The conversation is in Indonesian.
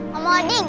mau mau ding